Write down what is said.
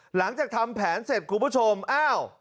หลังจากทำแผนเสร็จคุณผู้ชมอ้าว